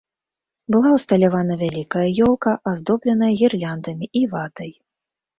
Была ўсталявана вялікая ёлка, аздобленая гірляндамі і ватай.